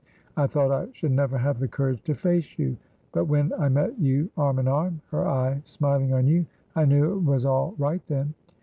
I thought I should never have the courage to face you, but when I met you arm in arm, her eye smiling on you, I knew it was all right then.